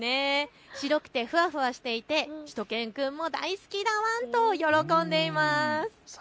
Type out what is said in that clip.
白くてふわふわしていてしゅと犬くんも大好きだワン！と喜んでいます。